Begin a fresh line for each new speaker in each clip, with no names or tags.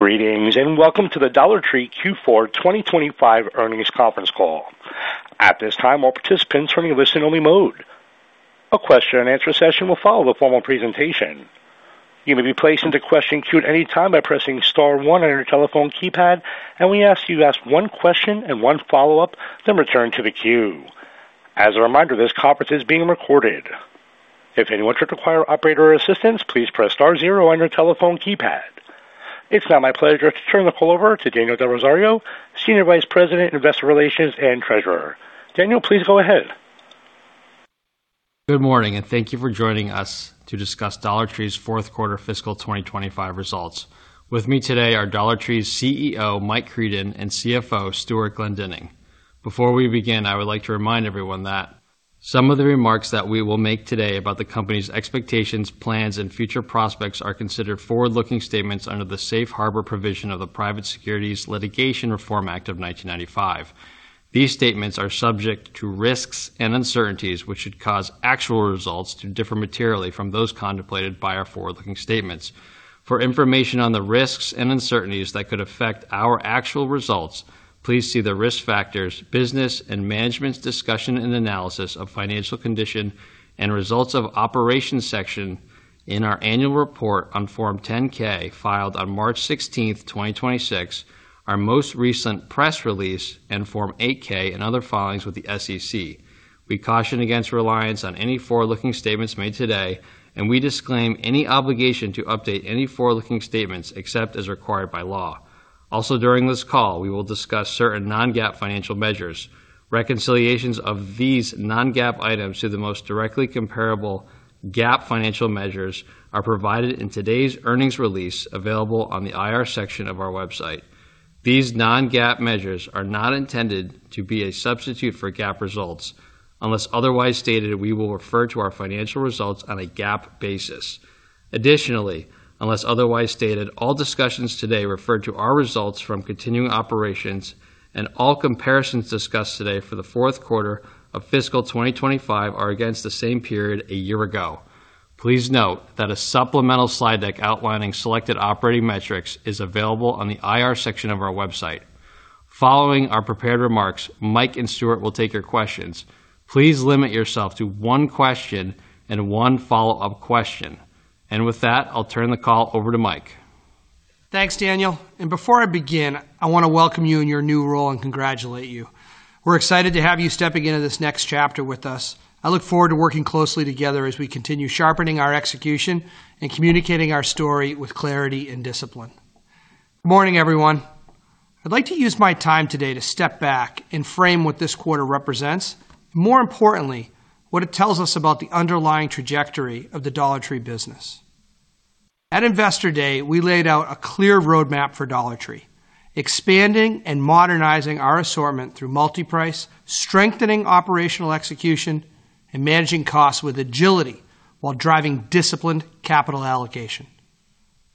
Greetings, and welcome to the Dollar Tree Q4 2025 earnings conference call. At this time, all participants are in listen-only mode. A question-and-answer session will follow the formal presentation. You may be placed into question queue at any time by pressing star one on your telephone keypad, and we ask you to ask one question and one follow-up, then return to the queue. As a reminder, this conference is being recorded. If anyone should require operator assistance, please press star zero on your telephone keypad. It's now my pleasure to turn the call over to Daniel Delrosario, Senior Vice President, Investor Relations and Treasurer. Daniel, please go ahead.
Good morning, and thank you for joining us to discuss Dollar Tree's fourth quarter fiscal 2025 results. With me today are Dollar Tree's CEO, Mike Creedon, and CFO, Stewart Glendinning. Before we begin, I would like to remind everyone that some of the remarks that we will make today about the company's expectations, plans, and future prospects are considered forward-looking statements under the Safe Harbor provision of the Private Securities Litigation Reform Act of 1995. These statements are subject to risks and uncertainties which could cause actual results to differ materially from those contemplated by our forward-looking statements. For information on the risks and uncertainties that could affect our actual results, please see the Risk Factors, Business and Management's Discussion and Analysis of Financial Condition and Results of Operations section in our annual report on Form 10-K filed on March 16th, 2026, our most recent press release and Form 8-K and other filings with the SEC. We caution against reliance on any forward-looking statements made today, and we disclaim any obligation to update any forward-looking statements except as required by law. Also, during this call, we will discuss certain non-GAAP financial measures. Reconciliations of these non-GAAP items to the most directly comparable GAAP financial measures are provided in today's earnings release available on the IR section of our website. These non-GAAP measures are not intended to be a substitute for GAAP results. Unless otherwise stated, we will refer to our financial results on a GAAP basis. Additionally, unless otherwise stated, all discussions today refer to our results from continuing operations and all comparisons discussed today for the fourth quarter of fiscal 2025 are against the same period a year ago. Please note that a supplemental slide deck outlining selected operating metrics is available on the IR section of our website. Following our prepared remarks, Mike and Stewart will take your questions. Please limit yourself to one question and one follow-up question. With that, I'll turn the call over to Mike.
Thanks, Daniel. Before I begin, I wanna welcome you in your new role and congratulate you. We're excited to have you stepping into this next chapter with us. I look forward to working closely together as we continue sharpening our execution and communicating our story with clarity and discipline. Morning, everyone. I'd like to use my time today to step back and frame what this quarter represents, more importantly, what it tells us about the underlying trajectory of the Dollar Tree business. At Investor Day, we laid out a clear roadmap for Dollar Tree, expanding and modernizing our assortment through multi-price, strengthening operational execution, and managing costs with agility while driving disciplined capital allocation.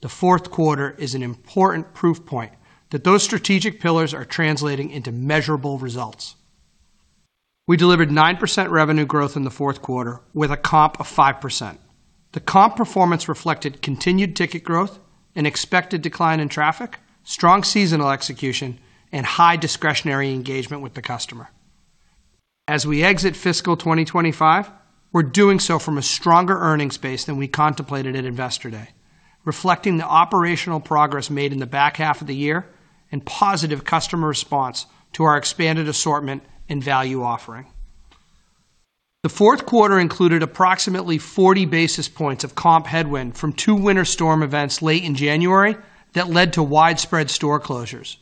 The fourth quarter is an important proof point that those strategic pillars are translating into measurable results. We delivered 9% revenue growth in the fourth quarter with a comp of 5%. The comp performance reflected continued ticket growth and expected decline in traffic, strong seasonal execution, and high discretionary engagement with the customer. As we exit fiscal 2025, we're doing so from a stronger earnings base than we contemplated at Investor Day, reflecting the operational progress made in the back half of the year and positive customer response to our expanded assortment and value offering. The fourth quarter included approximately 40 basis points of comp headwind from two winter storm events late in January that led to widespread store closures.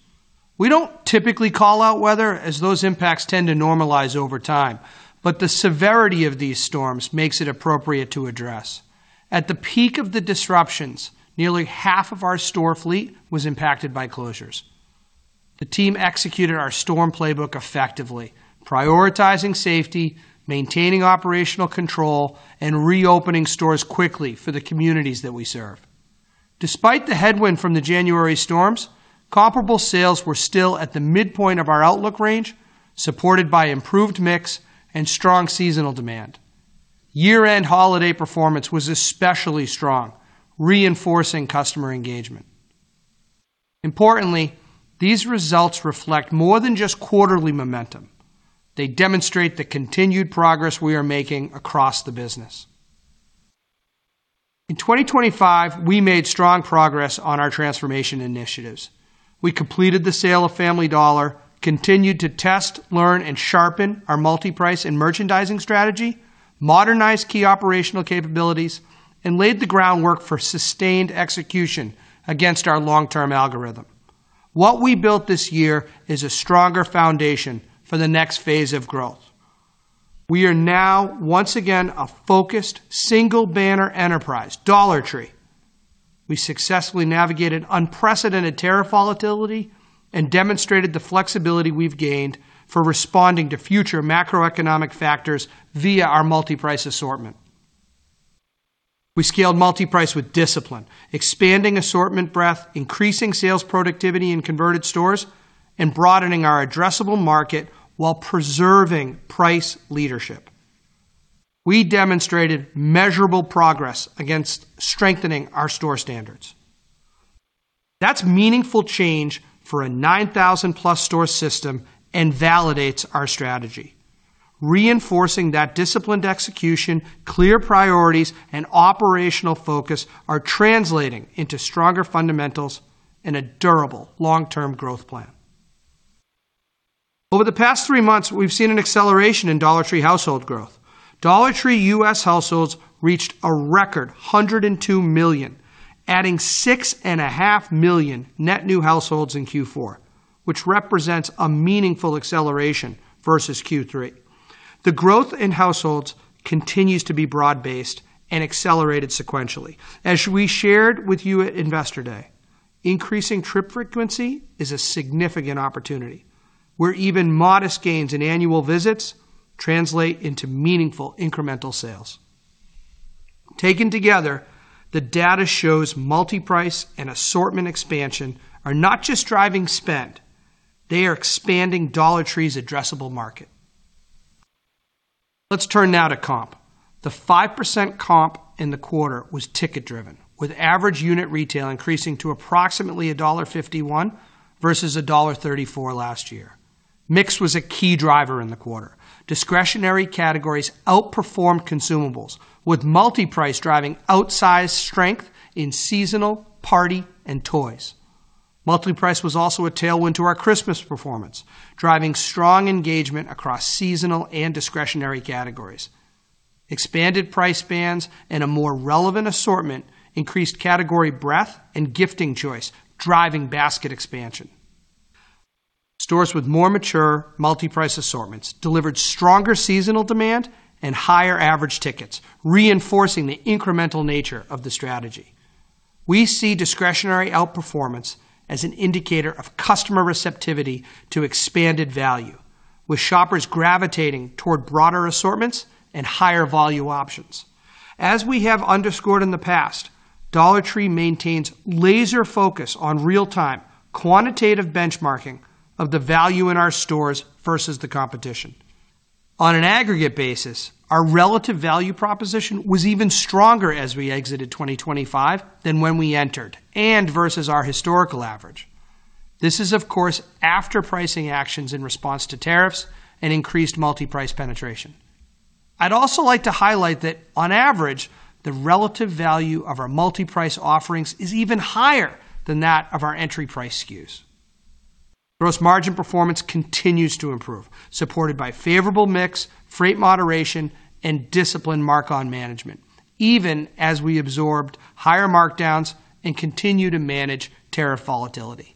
We don't typically call out weather as those impacts tend to normalize over time, but the severity of these storms makes it appropriate to address. At the peak of the disruptions, nearly half of our store fleet was impacted by closures. The team executed our storm playbook effectively, prioritizing safety, maintaining operational control, and reopening stores quickly for the communities that we serve. Despite the headwind from the January storms, comparable sales were still at the midpoint of our outlook range, supported by improved mix and strong seasonal demand. Year-end holiday performance was especially strong, reinforcing customer engagement. Importantly, these results reflect more than just quarterly momentum. They demonstrate the continued progress we are making across the business. In 2025, we made strong progress on our transformation initiatives. We completed the sale of Family Dollar, continued to test, learn, and sharpen our multi-price and merchandising strategy, modernized key operational capabilities, and laid the groundwork for sustained execution against our long-term algorithm. What we built this year is a stronger foundation for the next phase of growth. We are now, once again, a focused single-banner enterprise, Dollar Tree. We successfully navigated unprecedented tariff volatility and demonstrated the flexibility we've gained for responding to future macroeconomic factors via our multi-price assortment. We scaled multi-price with discipline, expanding assortment breadth, increasing sales productivity in converted stores, and broadening our addressable market while preserving price leadership. We demonstrated measurable progress against strengthening our store standards. That's meaningful change for a 9,000+ store system and validates our strategy, reinforcing that disciplined execution, clear priorities, and operational focus are translating into stronger fundamentals and a durable long-term growth plan. Over the past three months, we've seen an acceleration in Dollar Tree household growth. Dollar Tree U.S. households reached a record 102 million, adding 6.5 million net new households in Q4, which represents a meaningful acceleration versus Q3. The growth in households continues to be broad-based and accelerated sequentially. As we shared with you at Investor Day, increasing trip frequency is a significant opportunity where even modest gains in annual visits translate into meaningful incremental sales. Taken together, the data shows multi-price and assortment expansion are not just driving spend, they are expanding Dollar Tree's addressable market. Let's turn now to comp. The 5% comp in the quarter was ticket driven, with average unit retail increasing to approximately $1.51 versus $1.34 last year. Mix was a key driver in the quarter. Discretionary categories outperformed consumables, with multi-price driving outsized strength in seasonal, party, and toys. Multi-price was also a tailwind to our Christmas performance, driving strong engagement across seasonal and discretionary categories. Expanded price bands and a more relevant assortment increased category breadth and gifting choice, driving basket expansion. Stores with more mature multi-price assortments delivered stronger seasonal demand and higher average tickets, reinforcing the incremental nature of the strategy. We see discretionary outperformance as an indicator of customer receptivity to expanded value, with shoppers gravitating toward broader assortments and higher value options. As we have underscored in the past, Dollar Tree maintains laser focus on real-time quantitative benchmarking of the value in our stores versus the competition. On an aggregate basis, our relative value proposition was even stronger as we exited 2025 than when we entered and versus our historical average. This is, of course, after pricing actions in response to tariffs and increased multi-price penetration. I'd also like to highlight that on average, the relative value of our multi-price offerings is even higher than that of our entry price SKUs. Gross margin performance continues to improve, supported by favorable mix, freight moderation, and disciplined mark on management, even as we absorbed higher markdowns and continue to manage tariff volatility.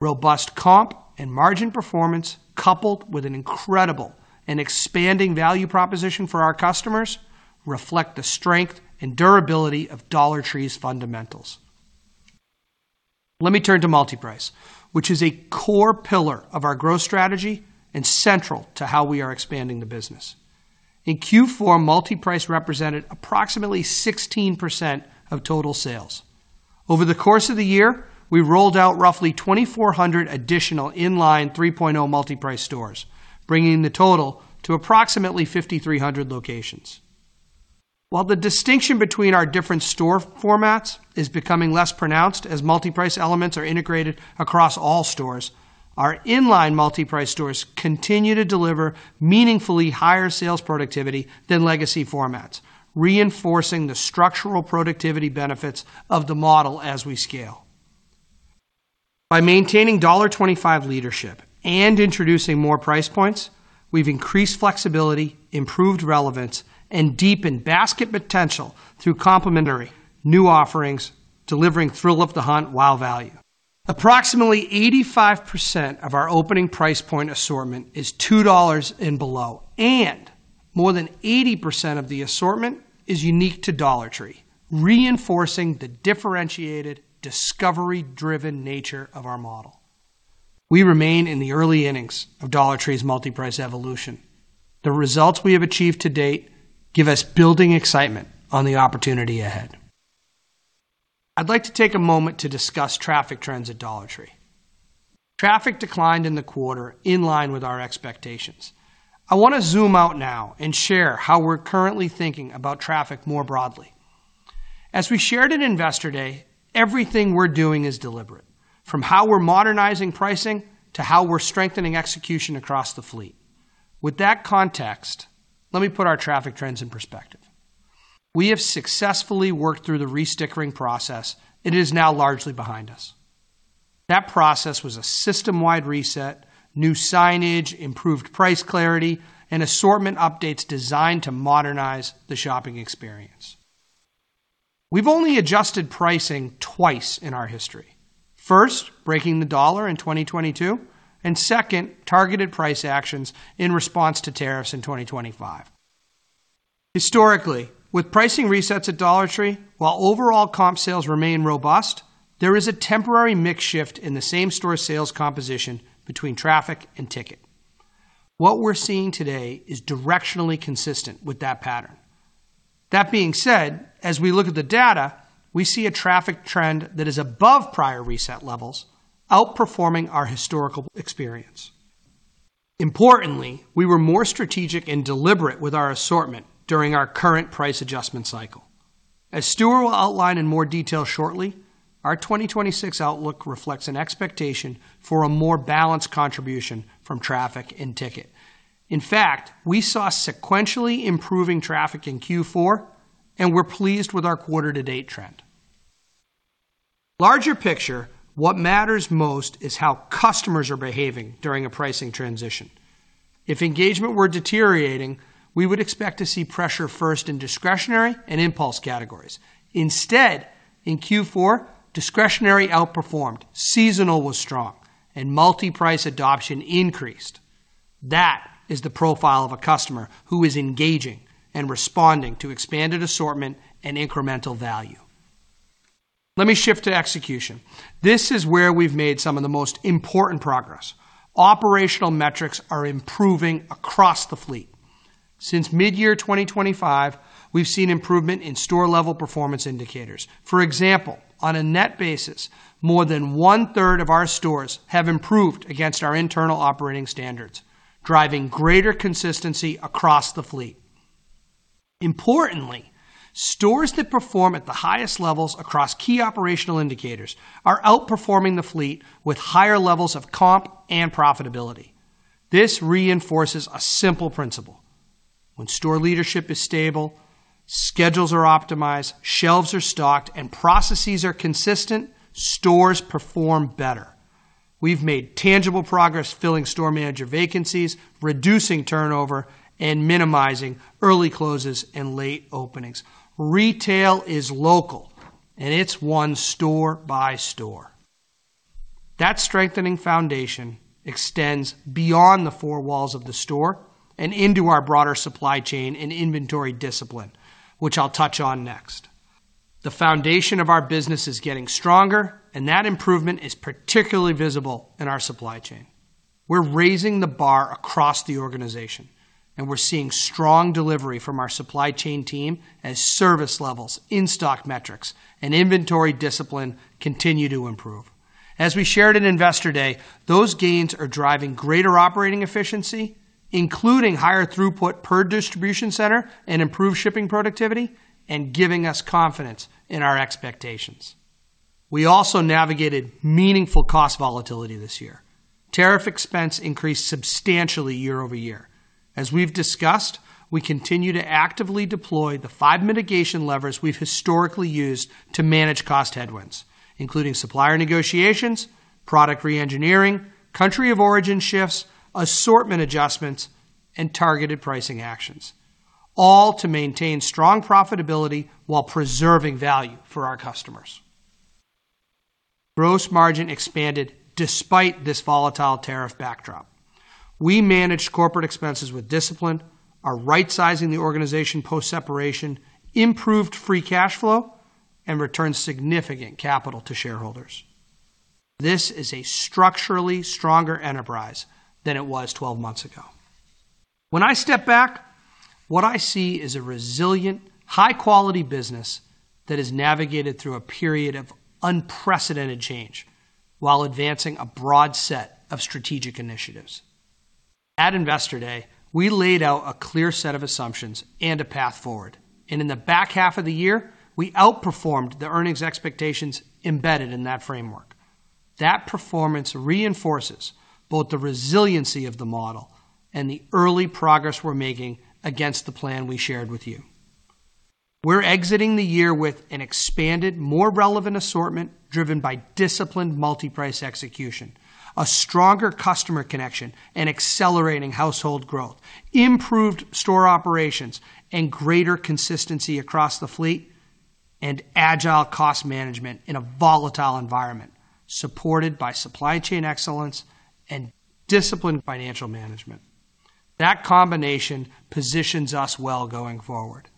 Robust comp and margin performance, coupled with an incredible and expanding value proposition for our customers, reflect the strength and durability of Dollar Tree's fundamentals. Let me turn to multi-price, which is a core pillar of our growth strategy and central to how we are expanding the business. In Q4, multi-price represented approximately 16% of total sales. Over the course of the year, we rolled out roughly 2,400 additional inline 3.0 multi-price stores, bringing the total to approximately 5,300 locations. While the distinction between our different store formats is becoming less pronounced as multi-price elements are integrated across all stores, our inline multi-price stores continue to deliver meaningfully higher sales productivity than legacy formats, reinforcing the structural productivity benefits of the model as we scale. By maintaining $1.25 leadership and introducing more price points, we've increased flexibility, improved relevance, and deepened basket potential through complementary new offerings, delivering thrill of the hunt wow value. Approximately 85% of our opening price point assortment is $2 and below, and more than 80% of the assortment is unique to Dollar Tree, reinforcing the differentiated, discovery-driven nature of our model. We remain in the early innings of Dollar Tree's multi-price evolution. The results we have achieved to date give us building excitement on the opportunity ahead. I'd like to take a moment to discuss traffic trends at Dollar Tree. Traffic declined in the quarter in line with our expectations. I wanna zoom out now and share how we're currently thinking about traffic more broadly. As we shared at Investor Day, everything we're doing is deliberate, from how we're modernizing pricing to how we're strengthening execution across the fleet. With that context, let me put our traffic trends in perspective. We have successfully worked through the re-stickering process. It is now largely behind us. That process was a system-wide reset, new signage, improved price clarity, and assortment updates designed to modernize the shopping experience. We've only adjusted pricing twice in our history. First, breaking the dollar in 2022, and second, targeted price actions in response to tariffs in 2025. Historically, with pricing resets at Dollar Tree, while overall comp sales remain robust, there is a temporary mix shift in the same-store sales composition between traffic and ticket. What we're seeing today is directionally consistent with that pattern. That being said, as we look at the data, we see a traffic trend that is above prior reset levels, outperforming our historical experience. Importantly, we were more strategic and deliberate with our assortment during our current price adjustment cycle. As Stewart will outline in more detail shortly, our 2026 outlook reflects an expectation for a more balanced contribution from traffic and ticket. In fact, we saw sequentially improving traffic in Q4, and we're pleased with our quarter to date trend. Larger picture, what matters most is how customers are behaving during a pricing transition. If engagement were deteriorating, we would expect to see pressure first in discretionary and impulse categories. Instead, in Q4, discretionary outperformed, seasonal was strong, and multi-price adoption increased. That is the profile of a customer who is engaging and responding to expanded assortment and incremental value. Let me shift to execution. This is where we've made some of the most important progress. Operational metrics are improving across the fleet. Since mid-year 2025, we've seen improvement in store-level performance indicators. For example, on a net basis, more than one-third of our stores have improved against our internal operating standards, driving greater consistency across the fleet. Importantly, stores that perform at the highest levels across key operational indicators are outperforming the fleet with higher levels of comp and profitability. This reinforces a simple principle. When store leadership is stable, schedules are optimized, shelves are stocked, and processes are consistent, stores perform better. We've made tangible progress filling store manager vacancies, reducing turnover, and minimizing early closes and late openings. Retail is local, and it's won store by store. That strengthening foundation extends beyond the four walls of the store and into our broader supply chain and inventory discipline, which I'll touch on next. The foundation of our business is getting stronger, and that improvement is particularly visible in our supply chain. We're raising the bar across the organization, and we're seeing strong delivery from our supply chain team as service levels, in-stock metrics, and inventory discipline continue to improve. As we shared at Investor Day, those gains are driving greater operating efficiency, including higher throughput per distribution center and improved shipping productivity and giving us confidence in our expectations. We also navigated meaningful cost volatility this year. Tariff expense increased substantially year-over-year. As we've discussed, we continue to actively deploy the five mitigation levers we've historically used to manage cost headwinds, including supplier negotiations, product reengineering, country of origin shifts, assortment adjustments, and targeted pricing actions, all to maintain strong profitability while preserving value for our customers. Gross margin expanded despite this volatile tariff backdrop. We managed corporate expenses with discipline, are rightsizing the organization post-separation, improved free cash flow, and returned significant capital to shareholders. This is a structurally stronger enterprise than it was twelve months ago. When I step back, what I see is a resilient, high-quality business that has navigated through a period of unprecedented change while advancing a broad set of strategic initiatives. At Investor Day, we laid out a clear set of assumptions and a path forward, and in the back half of the year, we outperformed the earnings expectations embedded in that framework. That performance reinforces both the resiliency of the model and the early progress we're making against the plan we shared with you. We're exiting the year with an expanded, more relevant assortment driven by disciplined multi-price execution, a stronger customer connection, and accelerating household growth, improved store operations, and greater consistency across the fleet, and agile cost management in a volatile environment, supported by supply chain excellence and disciplined financial management. That combination positions us well going forward.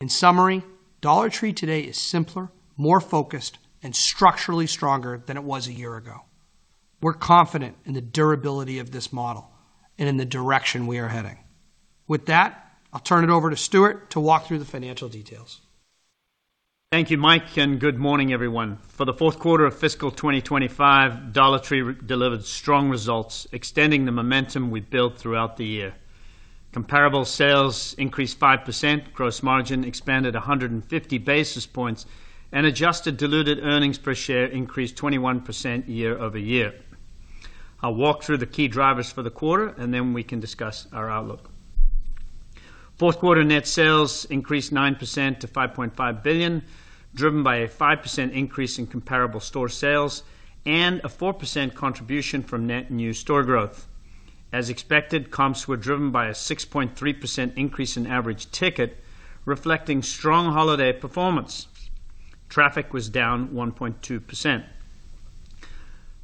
In summary, Dollar Tree today is simpler, more focused, and structurally stronger than it was a year ago. We're confident in the durability of this model and in the direction we are heading. With that, I'll turn it over to Stewart to walk through the financial details.
Thank you, Mike, and good morning, everyone. For the fourth quarter of fiscal 2025, Dollar Tree delivered strong results, extending the momentum we built throughout the year. Comparable sales increased 5%, gross margin expanded 150 basis points, and adjusted diluted earnings per share increased 21% year-over-year. I'll walk through the key drivers for the quarter, and then we can discuss our outlook. Fourth quarter net sales increased 9% to $5.5 billion, driven by a 5% increase in comparable store sales and a 4% contribution from net new store growth. As expected, comps were driven by a 6.3% increase in average ticket, reflecting strong holiday performance. Traffic was down 1.2%.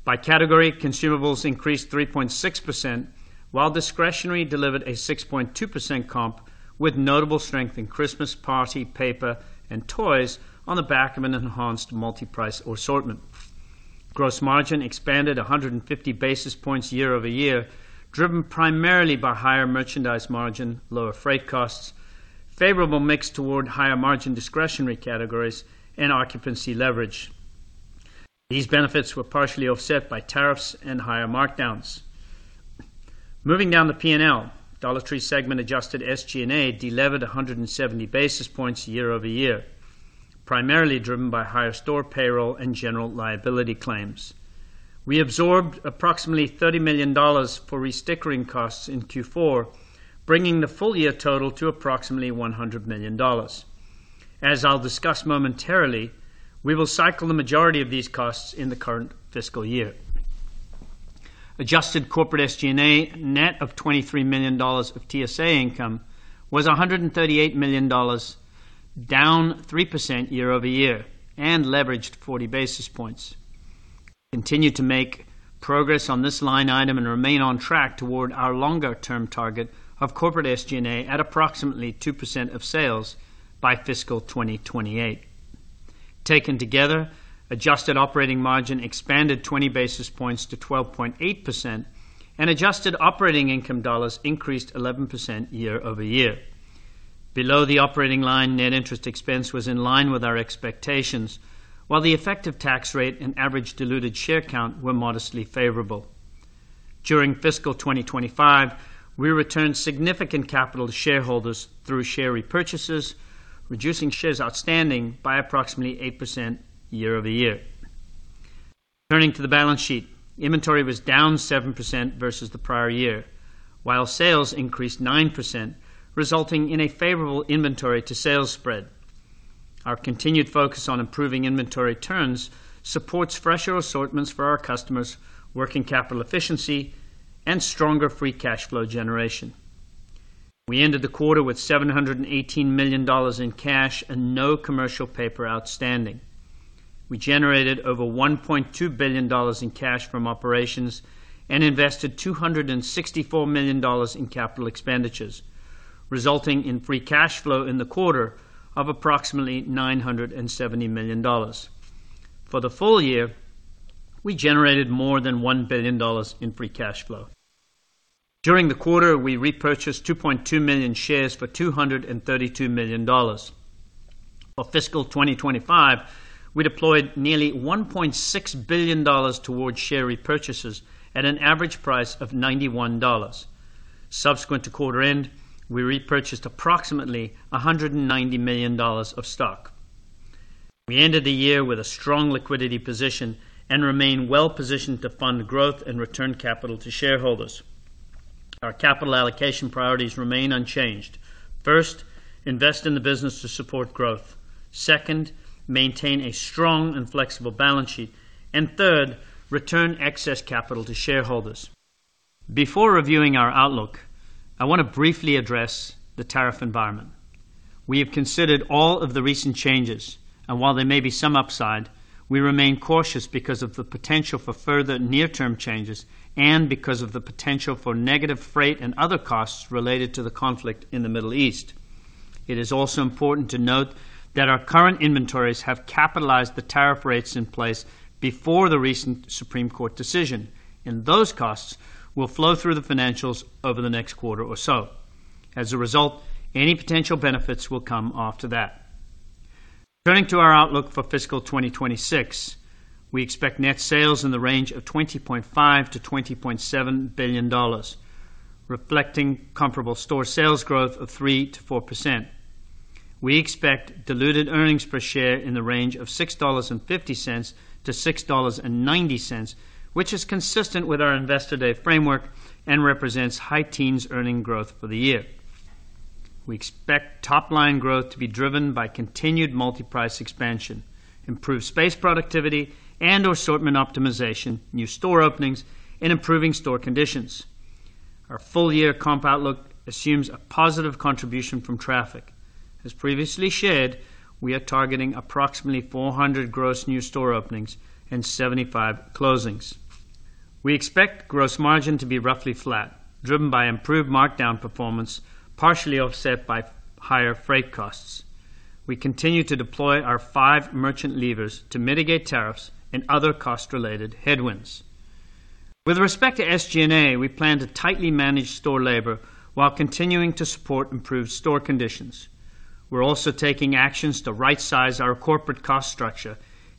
By category, consumables increased 3.6%, while discretionary delivered a 6.2% comp with notable strength in Christmas party paper, and toys on the back of an enhanced multi-price assortment. Gross margin expanded 150 basis points year-over-year, driven primarily by higher merchandise margin, lower freight costs, favorable mix toward higher margin discretionary categories and occupancy leverage. These benefits were partially offset by tariffs and higher markdowns. Moving down the P&L, Dollar Tree segment adjusted SG&A delevered 170 basis points year-over-year, primarily driven by higher store payroll and general liability claims. We absorbed approximately $30 million for re-stickering costs in Q4, bringing the full year total to approximately $100 million. As I'll discuss momentarily, we will cycle the majority of these costs in the current fiscal year. Adjusted corporate SG&A net of $23 million of TSA income was $138 million, down 3% year-over-year and leveraged 40 basis points. Continue to make progress on this line item and remain on track toward our longer term target of corporate SG&A at approximately 2% of sales by fiscal 2028. Taken together, adjusted operating margin expanded 20 basis points to 12.8% and adjusted operating income dollars increased 11% year-over-year. Below the operating line, net interest expense was in line with our expectations, while the effective tax rate and average diluted share count were modestly favorable. During fiscal 2025, we returned significant capital to shareholders through share repurchases, reducing shares outstanding by approximately 8% year-over-year. Turning to the balance sheet, inventory was down 7% versus the prior year, while sales increased 9%, resulting in a favorable inventory to sales spread. Our continued focus on improving inventory turns supports fresher assortments for our customers, working capital efficiency, and stronger free cash flow generation. We ended the quarter with $718 million in cash and no commercial paper outstanding. We generated over $1.2 billion in cash from operations and invested $264 million in capital expenditures, resulting in free cash flow in the quarter of approximately $970 million. For the full year, we generated more than $1 billion in free cash flow. During the quarter, we repurchased 2.2 million shares for $232 million. For fiscal 2025, we deployed nearly $1.6 billion towards share repurchases at an average price of $91. Subsequent to quarter end, we repurchased approximately $190 million of stock. We ended the year with a strong liquidity position and remain well-positioned to fund growth and return capital to shareholders. Our capital allocation priorities remain unchanged. First, invest in the business to support growth. Second, maintain a strong and flexible balance sheet. Third, return excess capital to shareholders. Before reviewing our outlook, I wanna briefly address the tariff environment. We have considered all of the recent changes, and while there may be some upside, we remain cautious because of the potential for further near-term changes and because of the potential for negative freight and other costs related to the conflict in the Middle East. It is also important to note that our current inventories have capitalized the tariff rates in place before the recent Supreme Court decision, and those costs will flow through the financials over the next quarter or so. As a result, any potential benefits will come after that. Turning to our outlook for fiscal 2026, we expect net sales in the range of $20.5 billion-$20.7 billion, reflecting comparable store sales growth of 3%-4%. We expect diluted earnings per share in the range of $6.50-$6.90, which is consistent with our Investor Day framework and represents high teens earnings growth for the year. We expect top line growth to be driven by continued multi-price expansion, improved space productivity and assortment optimization, new store openings and improving store conditions. Our full year comp outlook assumes a positive contribution from traffic. As previously shared, we are targeting approximately 400 gross new store openings and 75 closings. We expect gross margin to be roughly flat, driven by improved markdown performance, partially offset by higher freight costs. We continue to deploy our five merchant levers to mitigate tariffs and other cost-related headwinds. With respect to SG&A, we plan to tightly manage store labor while continuing to support improved store conditions. We're also taking actions to right-size our corporate cost structure,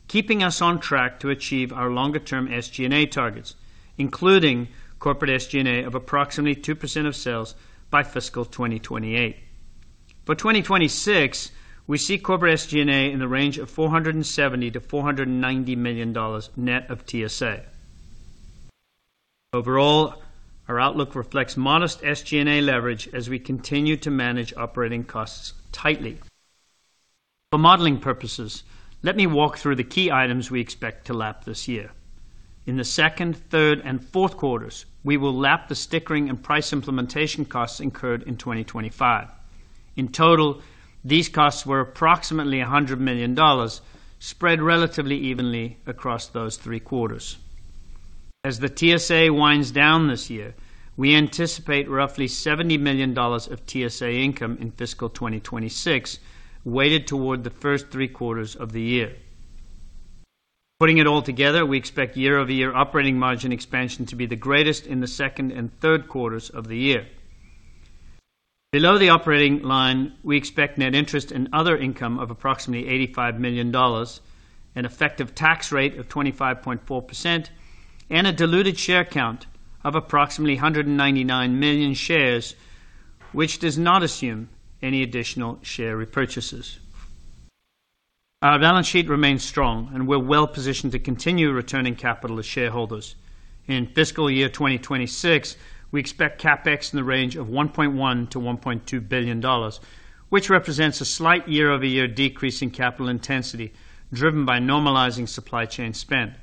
keeping us on track to achieve our longer-term SG&A targets, including corporate SG&A of approximately 2% of sales by fiscal 2028. For 2026, we see corporate SG&A in the range of $470 million-$490 million net of TSA. Overall, our outlook reflects modest SG&A leverage as we continue to manage operating costs tightly. For modeling purposes, let me walk through the key items we expect to lap this year. In the second, third, and fourth quarters, we will lap the stickering and price implementation costs incurred in 2025. In total, these costs were approximately $100 million, spread relatively evenly across those three quarters. As the TSA winds down this year, we anticipate roughly $70 million of TSA income in fiscal 2026, weighted toward the first three quarters of the year. Putting it all together, we expect year-over-year operating margin expansion to be the greatest in the second and third quarters of the year. Below the operating line, we expect net interest and other income of approximately $85 million, an effective tax rate of 25.4%, and a diluted share count of approximately 199 million shares, which does not assume any additional share repurchases. Our balance sheet remains strong and we're well-positioned to continue returning capital to shareholders. In fiscal year 2026, we expect CapEx in the range of $1.1 billion-$1.2 billion, which represents a slight year-over-year decrease in capital intensity driven by normalizing supply chain spend.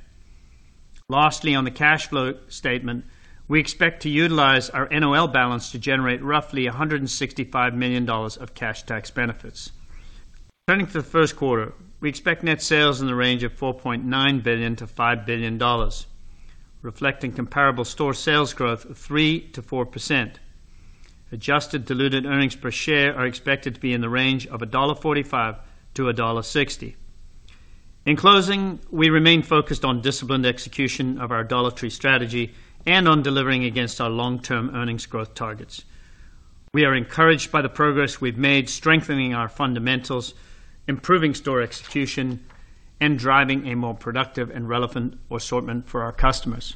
Lastly, on the cash flow statement, we expect to utilize our NOL balance to generate roughly $165 million of cash tax benefits. Turning to the first quarter, we expect net sales in the range of $4.9 billion-$5 billion, reflecting comparable store sales growth of 3%-4%. Adjusted diluted earnings per share are expected to be in the range of $1.45-$1.60. In closing, we remain focused on disciplined execution of our Dollar Tree strategy and on delivering against our long-term earnings growth targets. We are encouraged by the progress we've made, strengthening our fundamentals, improving store execution, and driving a more productive and relevant assortment for our customers.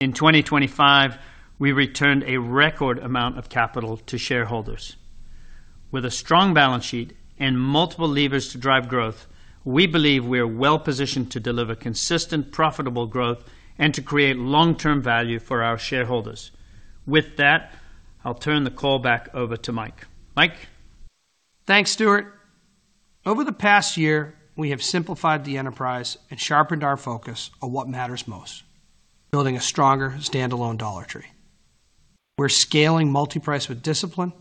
In 2025, we returned a record amount of capital to shareholders. With a strong balance sheet and multiple levers to drive growth, we believe we are well-positioned to deliver consistent, profitable growth and to create long-term value for our shareholders. With that, I'll turn the call back over to Mike. Mike?
Thanks, Stewart. Over the past year, we have simplified the enterprise and sharpened our focus on what matters most, building a stronger standalone Dollar Tree. We're scaling multi-price with discipline.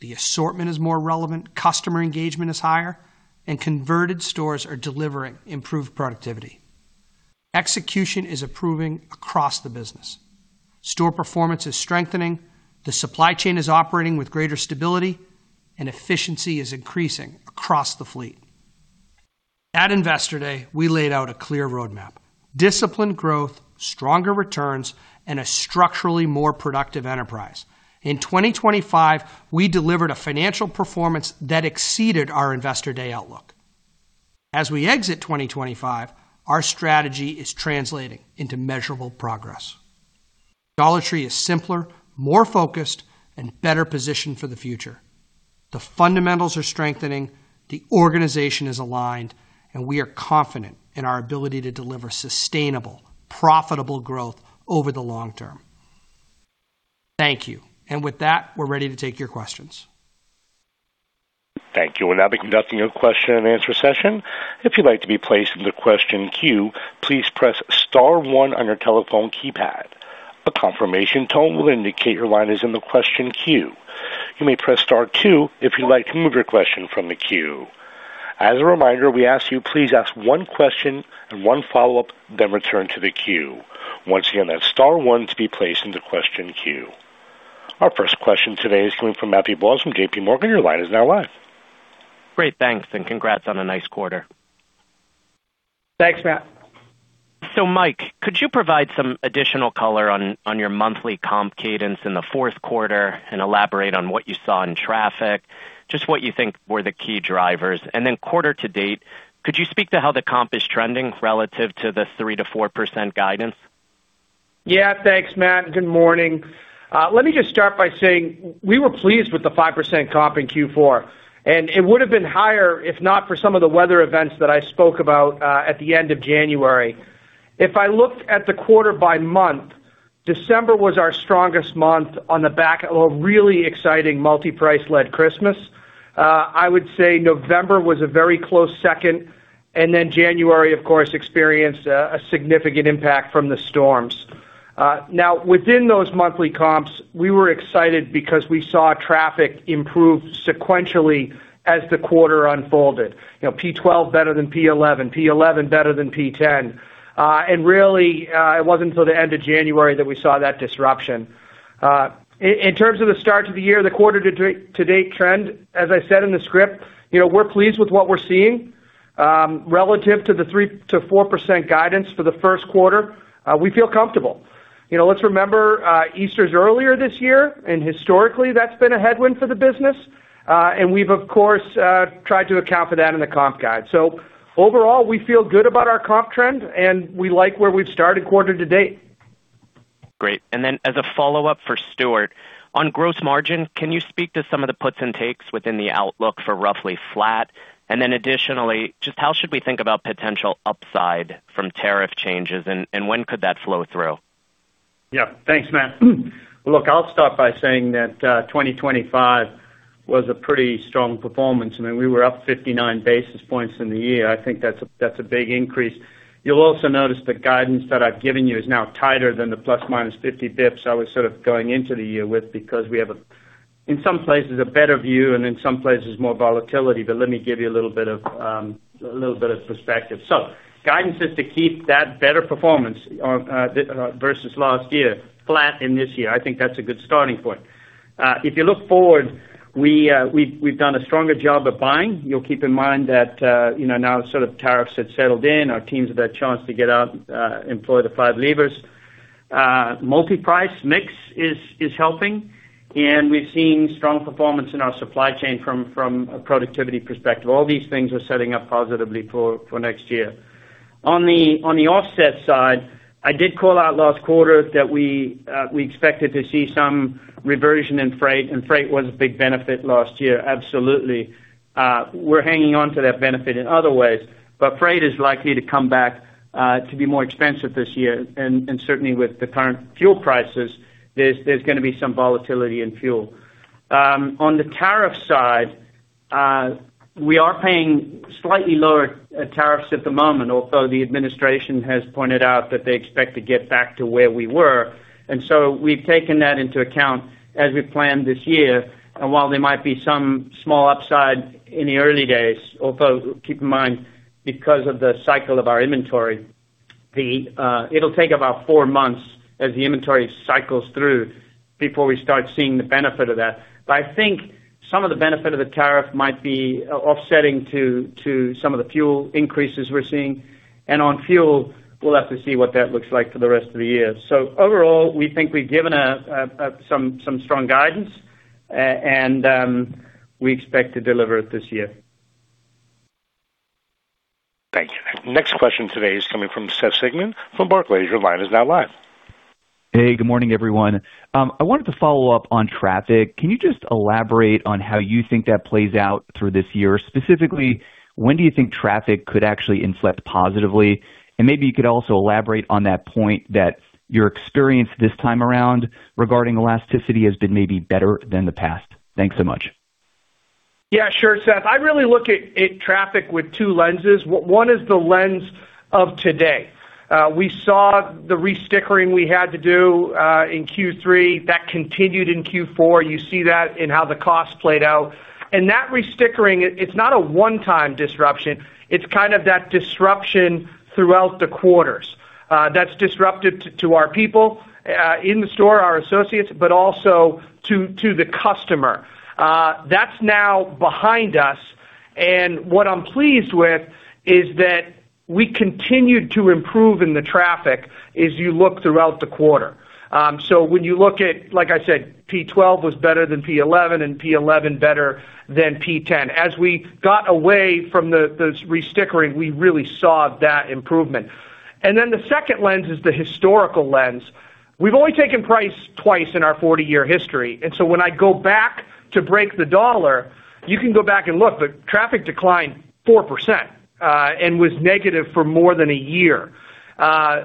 The assortment is more relevant, customer engagement is higher, and converted stores are delivering improved productivity. Execution is improving across the business. Store performance is strengthening, the supply chain is operating with greater stability, and efficiency is increasing across the fleet. At Investor Day, we laid out a clear roadmap, disciplined growth, stronger returns, and a structurally more productive enterprise. In 2025, we delivered a financial performance that exceeded our Investor Day outlook. As we exit 2025, our strategy is translating into measurable progress. Dollar Tree is simpler, more focused, and better positioned for the future. The fundamentals are strengthening, the organization is aligned, and we are confident in our ability to deliver sustainable, profitable growth over the long term. Thank you. With that, we're ready to take your questions.
Thank you. We'll now be conducting a question-and-answer session. If you'd like to be placed in the question queue, please press star one on your telephone keypad. A confirmation tone will indicate your line is in the question queue. You may press star two if you'd like to remove your question from the queue. As a reminder, we ask you please ask one question and one follow-up, then return to the queue. Once again, that's star one to be placed into question queue. Our first question today is coming from Matthew Boss from JPMorgan. Your line is now live.
Great, thanks, and congrats on a nice quarter.
Thanks, Matt.
Mike, could you provide some additional color on your monthly comp cadence in the fourth quarter and elaborate on what you saw in traffic, just what you think were the key drivers? Quarter-to-date, could you speak to how the comp is trending relative to the 3%-4% guidance?
Yeah. Thanks, Matt. Good morning. Let me just start by saying we were pleased with the 5% comp in Q4, and it would have been higher if not for some of the weather events that I spoke about at the end of January. If I looked at the quarter by month, December was our strongest month on the back of a really exciting multi-price led Christmas. I would say November was a very close second, and then January, of course, experienced a significant impact from the storms. Now within those monthly comps, we were excited because we saw traffic improve sequentially as the quarter unfolded. You know, P12 better than P11 better than P10. Really, it wasn't until the end of January that we saw that disruption. In terms of the start to the year, the quarter to date trend, as I said in the script, you know, we're pleased with what we're seeing, relative to the 3%-4% guidance for the first quarter, we feel comfortable. You know, let's remember, Easter's earlier this year, and historically that's been a headwind for the business. We've of course tried to account for that in the comp guide. Overall, we feel good about our comp trend, and we like where we've started quarte- to-date.
Great. As a follow-up for Stewart, on gross margin, can you speak to some of the puts and takes within the outlook for roughly flat? Additionally, just how should we think about potential upside from tariff changes and when could that flow through?
Yeah. Thanks, Matt. Look, I'll start by saying that 2025 was a pretty strong performance. I mean, we were up 59 basis points in the year. I think that's a big increase. You'll also notice the guidance that I've given you is now tighter than the plus minus 50 basis points I was sort of going into the year with because we have a... In some places, a better view, and in some places more volatility. Let me give you a little bit of perspective. Guidance is to keep that better performance on versus last year flat in this year. I think that's a good starting point. If you look forward, we've done a stronger job at buying. You'll keep in mind that you know, now sort of tariffs had settled in. Our teams have had a chance to get out, employ the Five Levers. Multi-price mix is helping, and we've seen strong performance in our supply chain from a productivity perspective. All these things are setting up positively for next year. On the offset side, I did call out last quarter that we expected to see some reversion in freight, and freight was a big benefit last year, absolutely. We're hanging on to that benefit in other ways, but freight is likely to come back to be more expensive this year. Certainly with the current fuel prices, there's gonna be some volatility in fuel. On the tariff side, we are paying slightly lower tariffs at the moment, although the administration has pointed out that they expect to get back to where we were. We've taken that into account as we planned this year. While there might be some small upside in the early days, although keep in mind, because of the cycle of our inventory, it'll take about four months as the inventory cycles through before we start seeing the benefit of that. I think some of the benefit of the tariff might be offsetting to some of the fuel increases we're seeing. On fuel, we'll have to see what that looks like for the rest of the year. Overall, we think we've given some strong guidance, and we expect to deliver it this year.
Thank you. Next question today is coming from Seth Sigman from Barclays. Your line is now live.
Hey, good morning, everyone. I wanted to follow up on traffic. Can you just elaborate on how you think that plays out through this year? Specifically, when do you think traffic could actually inflect positively? Maybe you could also elaborate on that point that your experience this time around regarding elasticity has been maybe better than the past. Thanks so much.
Yeah, sure, Seth. I really look at traffic with two lenses. One is the lens of today. We saw the re-stickering we had to do in Q3. That continued in Q4. You see that in how the cost played out. That re-stickering, it's not a one-time disruption, it's kind of that disruption throughout the quarters. That's disruptive to our people in the store, our associates, but also to the customer. That's now behind us, and what I'm pleased with is that we continued to improve in the traffic as you look throughout the quarter. When you look at, like I said, P12 was better than P11 and P11 better than P10. As we got away from those re-stickering, we really saw that improvement. Then the second lens is the historical lens. We've only taken price twice in our 40-year history, and so when I go back to break the dollar, you can go back and look, but traffic declined 4%, and was negative for more than a year.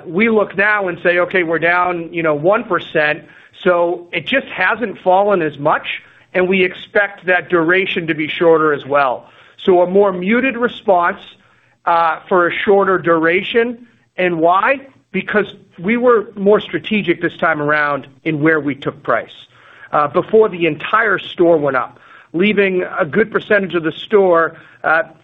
We look now and say, "Okay, we're down, you know, 1%," so it just hasn't fallen as much, and we expect that duration to be shorter as well. A more muted response, for a shorter duration. Why? Because we were more strategic this time around in where we took price. Before the entire store went up, leaving a good percentage of the store,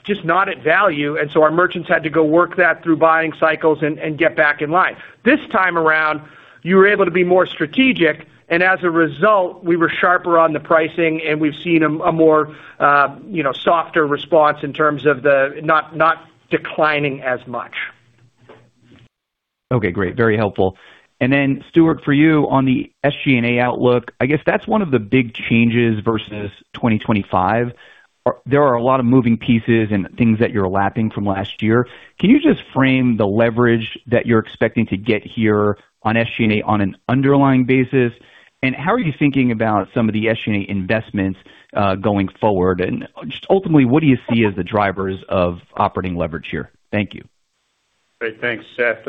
just not at value. Our merchants had to go work that through buying cycles and get back in line. This time around, you were able to be more strategic and as a result, we were sharper on the pricing and we've seen a more, you know, softer response in terms of the not declining as much.
Okay, great. Very helpful. Then Stewart, for you on the SG&A outlook, I guess that's one of the big changes versus 2025. There are a lot of moving pieces and things that you're lapping from last year. Can you just frame the leverage that you're expecting to get here on SG&A on an underlying basis? And how are you thinking about some of the SG&A investments, going forward? And just ultimately, what do you see as the drivers of operating leverage here? Thank you.
Great. Thanks, Seth.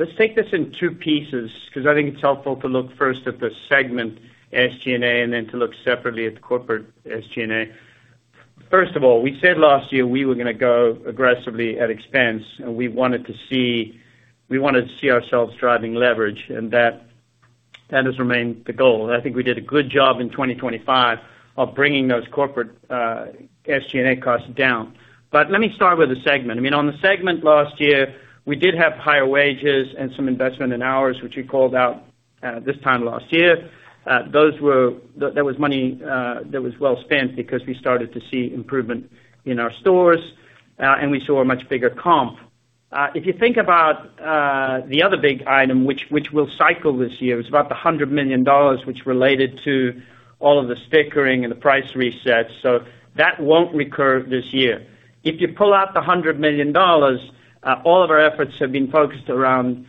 Let's take this in two pieces because I think it's helpful to look first at the segment SG&A and then to look separately at the corporate SG&A. First of all, we said last year we were gonna go aggressively at expense and we wanted to see ourselves driving leverage, and that has remained the goal. I think we did a good job in 2025 of bringing those corporate SG&A costs down. Let me start with the segment. I mean, on the segment last year, we did have higher wages and some investment in hours, which we called out this time last year. There was money that was well spent because we started to see improvement in our stores, and we saw a much bigger comp. If you think about the other big item, which we'll cycle this year, it's about $100 million which related to all of the stickering and the price resets. That won't recur this year. If you pull out the $100 million, all of our efforts have been focused around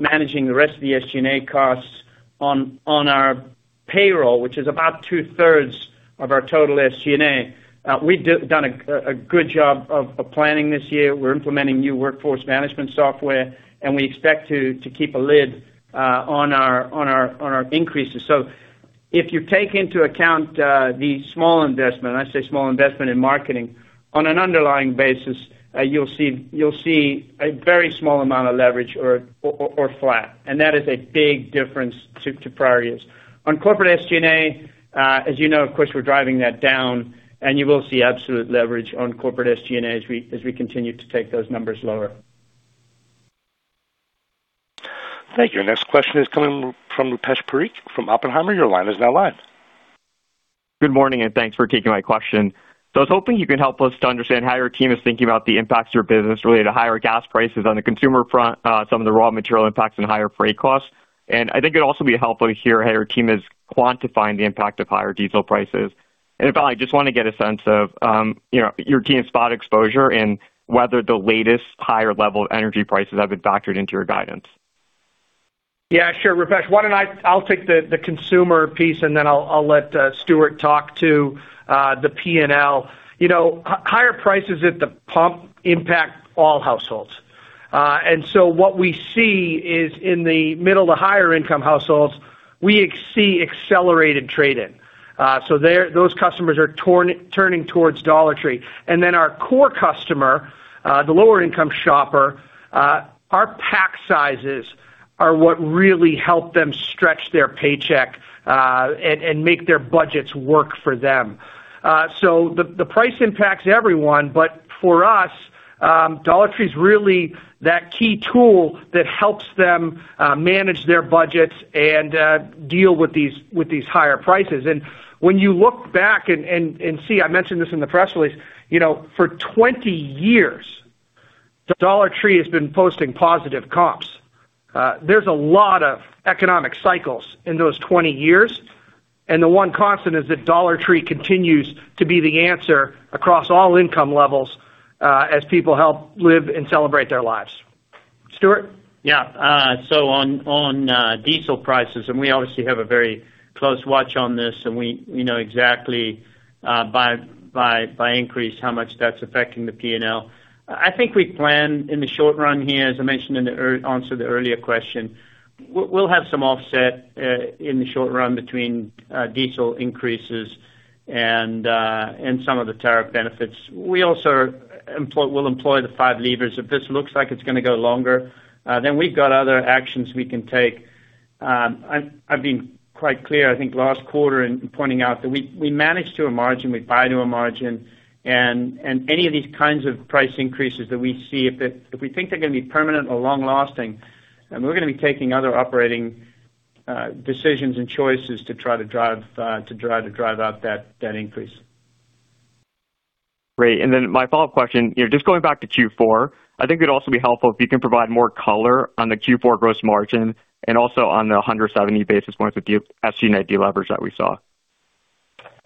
managing the rest of the SG&A costs on our payroll, which is about two-thirds of our total SG&A. We've done a good job of planning this year. We're implementing new workforce management software, and we expect to keep a lid on our increases. If you take into account the small investment, and I say small investment in marketing On an underlying basis, you'll see a very small amount of leverage or flat, and that is a big difference to prior years. On corporate SG&A, as you know, of course, we're driving that down and you will see absolute leverage on corporate SG&A as we continue to take those numbers lower.
Thank you. Next question is coming from Rupesh Parikh from Oppenheimer. Your line is now live.
Good morning, and thanks for taking my question. I was hoping you could help us to understand how your team is thinking about the impacts your business related to higher gas prices on the consumer front, some of the raw material impacts and higher freight costs. I think it'd also be helpful to hear how your team is quantifying the impact of higher diesel prices. If I just wanna get a sense of, you know, your team's spot exposure and whether the latest higher level energy prices have been factored into your guidance.
Yeah, sure, Rupesh. I'll take the consumer piece, and then I'll let Stewart talk to the P&L. You know, higher prices at the pump impact all households. What we see is in the middle to higher income households, we see accelerated trade down. Those customers are turning towards Dollar Tree. Our core customer, the lower income shopper, our pack sizes are what really help them stretch their paycheck, and make their budgets work for them. The price impacts everyone. For us, Dollar Tree is really that key tool that helps them manage their budgets and deal with these higher prices. When you look back and see, I mentioned this in the press release, you know, for 20 years, Dollar Tree has been posting positive comps. There's a lot of economic cycles in those 20 years, and the one constant is that Dollar Tree continues to be the answer across all income levels, as people have to live and celebrate their lives. Stewart?
Yeah. On diesel prices, we obviously have a very close watch on this, and we know exactly by how much the increase is affecting the P&L. I think we plan in the short run here, as I mentioned in the answer to the earlier question, we'll have some offset in the short run between diesel increases and some of the tariff benefits. We'll employ the five levers. If this looks like it's gonna go longer, then we've got other actions we can take. I've been quite clear, I think, last quarter in pointing out that we manage to a margin, we buy to a margin. Any of these kinds of price increases that we see, if we think they're gonna be permanent or long lasting, then we're gonna be taking other operating decisions and choices to try to drive out that increase.
Great. My follow-up question, you know, just going back to Q4, I think it'd also be helpful if you can provide more color on the Q4 gross margin and also on the 170 basis points of the SG&A leverage that we saw.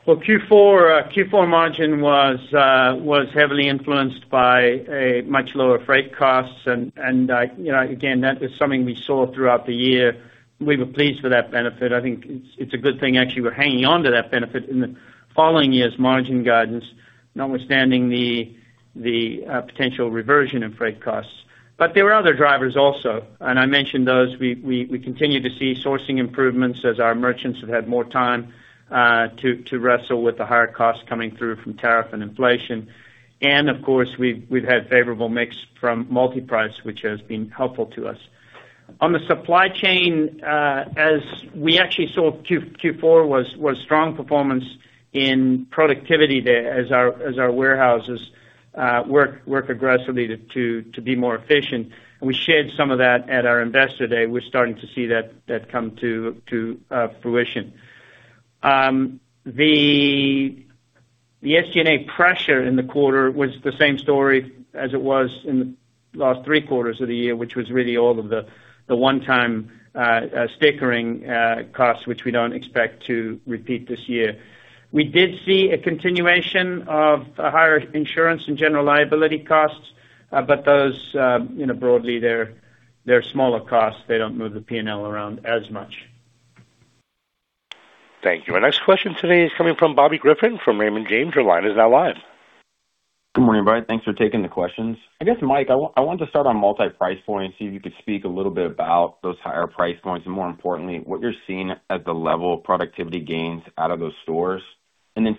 Well, Q4 margin was heavily influenced by much lower freight costs. You know, again, that is something we saw throughout the year. We were pleased with that benefit. I think it's a good thing, actually, we're hanging on to that benefit in the following year's margin guidance, notwithstanding the potential reversion of freight costs. There are other drivers also, and I mentioned those. We continue to see sourcing improvements as our merchants have had more time to wrestle with the higher costs coming through from tariff and inflation. Of course, we've had favorable mix from multi-price, which has been helpful to us. On the supply chain, as we actually saw Q4 was strong performance in productivity there as our warehouses work aggressively to be more efficient. We shared some of that at our investor day. We're starting to see that come to fruition. The SG&A pressure in the quarter was the same story as it was in the last three quarters of the year, which was really all of the one-time stickering costs, which we don't expect to repeat this year. We did see a continuation of higher insurance and general liability costs. Those, you know, broadly, they're smaller costs. They don't move the P&L around as much.
Thank you. Our next question today is coming from Bobby Griffin from Raymond James. Your line is now live.
Good morning, everybody. Thanks for taking the questions. I guess, Mike, I want to start on multi-price and see if you could speak a little bit about those higher price points, and more importantly, what you're seeing as the level of productivity gains out of those stores.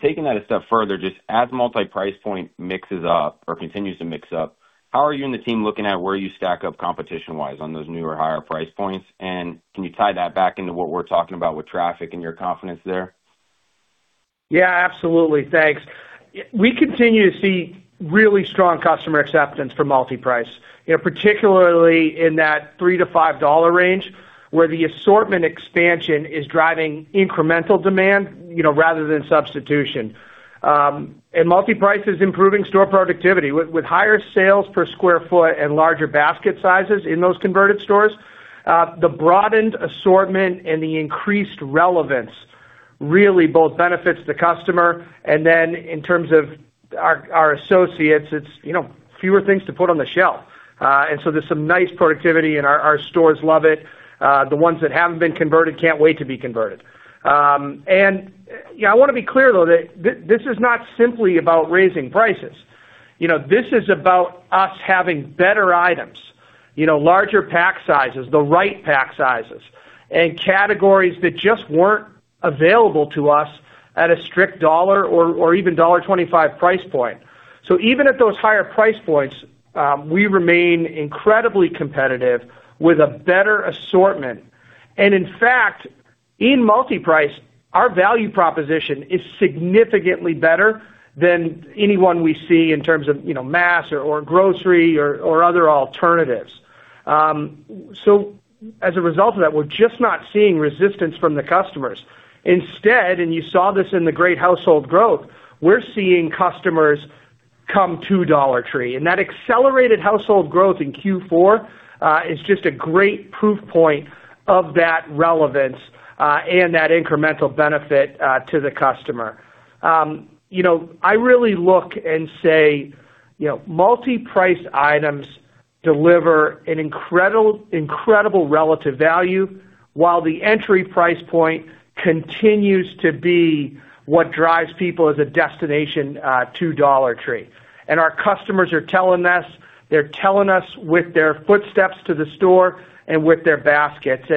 Taking that a step further, just as multi-price mixes up or continues to mix up, how are you and the team looking at where you stack up competition-wise on those newer, higher price points? Can you tie that back into what we're talking about with traffic and your confidence there?
Yeah, absolutely. Thanks. We continue to see really strong customer acceptance for multi-price, you know, particularly in that $3-$5 range, where the assortment expansion is driving incremental demand, you know, rather than substitution. multi-price is improving store productivity with higher sales per sq ft and larger basket sizes in those converted stores, the broadened assortment and the increased relevance really both benefits the customer, and then in terms of our associates, it's you know, fewer things to put on the shelf. There's some nice productivity and our stores love it. The ones that haven't been converted can't wait to be converted. You know, I wanna be clear, though, that this is not simply about raising prices. You know, this is about us having better items. You know, larger pack sizes, the right pack sizes and categories that just weren't available to us at a strict $1 or even $1.25 price point. Even at those higher price points, we remain incredibly competitive with a better assortment. In fact, in multi-price, our value proposition is significantly better than anyone we see in terms of, you know, mass or grocery or other alternatives. As a result of that, we're just not seeing resistance from the customers. Instead, you saw this in the great household growth. We're seeing customers come to Dollar Tree, and that accelerated household growth in Q4 is just a great proof point of that relevance and that incremental benefit to the customer. You know, I really look and say, you know, multi-priced items deliver an incredible relative value, while the entry price point continues to be what drives people as a destination to Dollar Tree. Our customers are telling us, they're telling us with their footsteps to the store and with their baskets.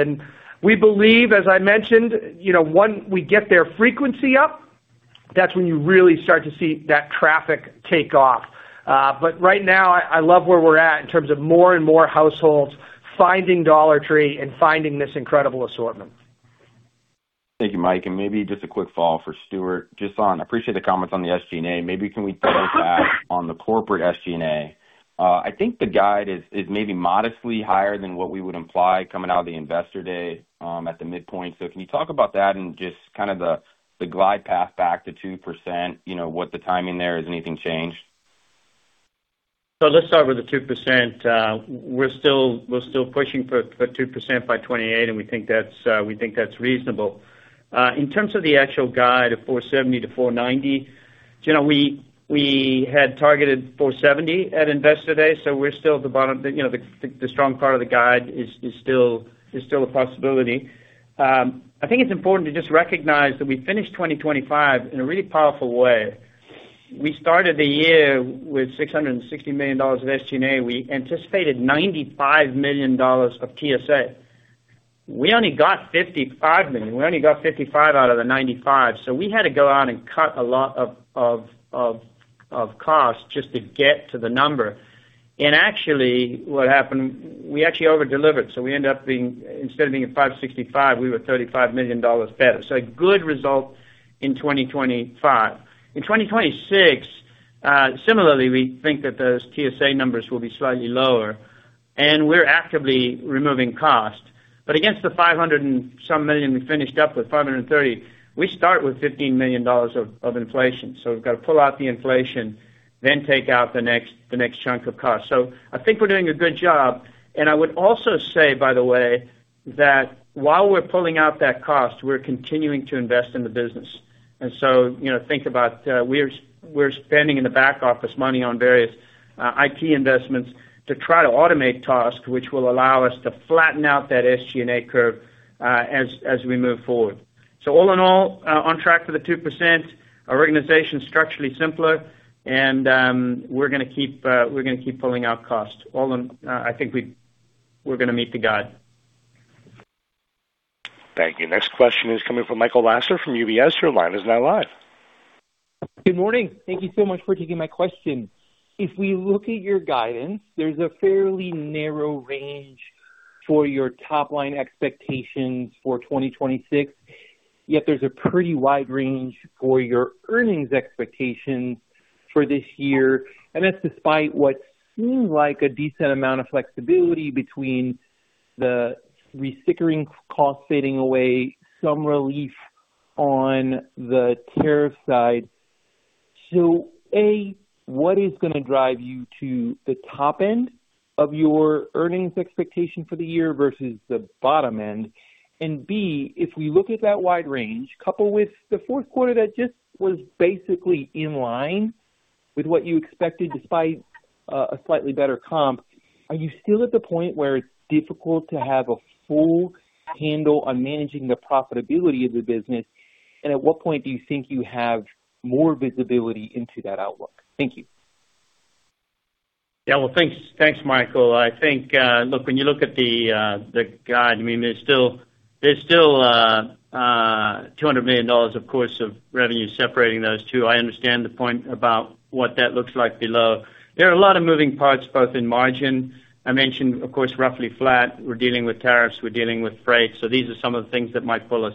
We believe, as I mentioned, you know, one, we get their frequency up, that's when you really start to see that traffic take off. But right now, I love where we're at in terms of more and more households finding Dollar Tree and finding this incredible assortment.
Thank you, Mike. Maybe just a quick follow-up for Stewart. I appreciate the comments on the SG&A. Maybe can we follow up on the corporate SG&A? I think the guide is maybe modestly higher than what we would imply coming out of the Investor Day at the midpoint. Can you talk about that and just kind of the glide path back to 2%, you know, what the timing there, has anything changed?
Let's start with the 2%. We're still pushing for 2% by 2028, and we think that's reasonable. In terms of the actual guide of $4.70-$4.90, you know, we had targeted $4.70 at Investor Day, so we're still at the bottom. You know, the strong part of the guide is still a possibility. I think it's important to just recognize that we finished 2025 in a really powerful way. We started the year with $660 million of SG&A. We anticipated $95 million of TSA. We only got $55 million. We only got 55 out of the 95. We had to go out and cut a lot of costs just to get to the number. Actually, what happened, we actually over-delivered, so we end up being, instead of being at $565 million, we were $35 million better. A good result in 2025. In 2026, similarly, we think that those TSA numbers will be slightly lower, and we're actively removing cost. Against the $500 and some million, we finished up with $530 million. We start with $15 million of inflation, so we've got to pull out the inflation, then take out the next chunk of cost. I think we're doing a good job. I would also say, by the way, that while we're pulling out that cost, we're continuing to invest in the business. You know, think about, we're spending in the back office money on various IT investments to try to automate tasks which will allow us to flatten out that SG&A curve, as we move forward. All in all, on track for the 2%. Our organization is structurally simpler and, we're gonna keep pulling out costs. I think we're gonna meet the guide.
Thank you. Next question is coming from Michael Lasser from UBS. Your line is now live.
Good morning. Thank you so much for taking my question. If we look at your guidance, there's a fairly narrow range for your top-line expectations for 2026, yet there's a pretty wide range for your earnings expectations for this year. That's despite what seems like a decent amount of flexibility between the re-stickering cost fading away, some relief on the tariff side. A, what is gonna drive you to the top end of your earnings expectation for the year versus the bottom end? B, if we look at that wide range, coupled with the fourth quarter that just was basically in line with what you expected, despite, a slightly better comp, are you still at the point where it's difficult to have a full handle on managing the profitability of the business? At what point do you think you have more visibility into that outlook? Thank you.
Yeah. Well, thanks, Michael. I think, look, when you look at the guide, I mean, there's still $200 million, of course, of revenue separating those two. I understand the point about what that looks like below. There are a lot of moving parts, both in margin. I mentioned, of course, roughly flat. We're dealing with tariffs, we're dealing with freight. These are some of the things that might pull us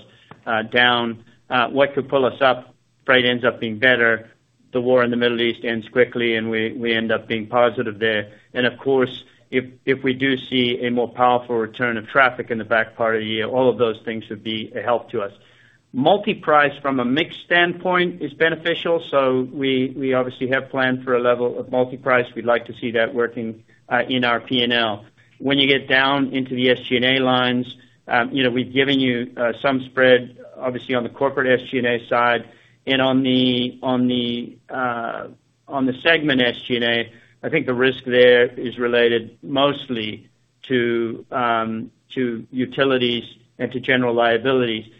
down. What could pull us up? Freight ends up being better, the war in the Middle East ends quickly, and we end up being positive there. Of course, if we do see a more powerful return of traffic in the back part of the year, all of those things would be a help to us. Multi-price from a mix standpoint is beneficial. We obviously have planned for a level of multi-price. We'd like to see that working in our P&L. When you get down into the SG&A lines, we've given you some spread obviously on the corporate SG&A side and on the segment SG&A. I think the risk there is related mostly to utilities and to general liability.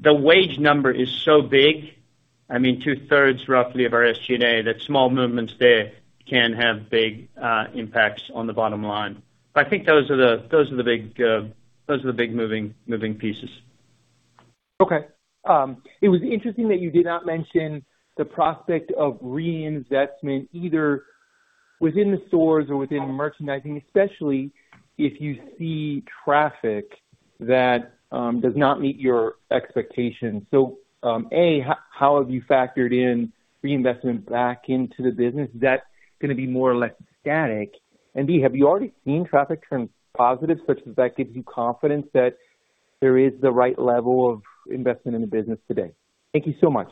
The wage number is so big, I mean, two-thirds roughly of our SG&A, that small movements there can have big impacts on the bottom line. I think those are the big moving pieces.
Okay. It was interesting that you did not mention the prospect of reinvestment either within the stores or within merchandising, especially if you see traffic that does not meet your expectations. A, how have you factored in reinvestment back into the business that's gonna be more or less static? And B, have you already seen traffic turn positive such as that gives you confidence that there is the right level of investment in the business today? Thank you so much.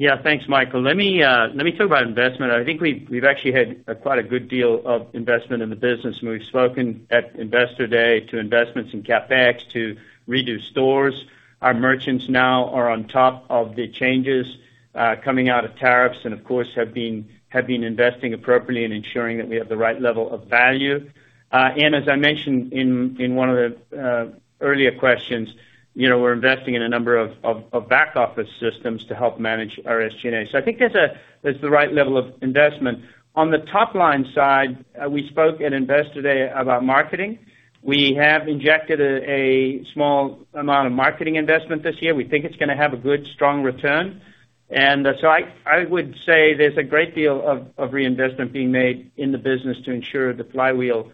Yeah, thanks, Michael. Let me talk about investment. I think we've actually had quite a good deal of investment in the business, and we've spoken at Investor Day to investments in CapEx to redo stores. Our merchants now are on top of the changes coming out of tariffs and, of course, have been investing appropriately and ensuring that we have the right level of value. As I mentioned in one of the earlier questions, you know, we're investing in a number of back office systems to help manage our SG&A. I think there's the right level of investment. On the top line side, we spoke at Investor Day about marketing. We have injected a small amount of marketing investment this year. We think it's gonna have a good, strong return. I would say there's a great deal of reinvestment being made in the business to ensure the flywheel